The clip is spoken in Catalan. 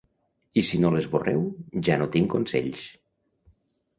I si no l’esborreu, ja no tinc consells.